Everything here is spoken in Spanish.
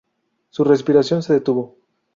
Su respiración se detuvo.